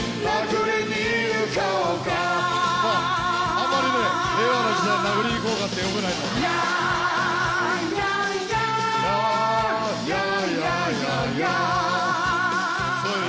あんまりね令和の時代に「殴りに行こうか」ってよくないのよ。すごいね！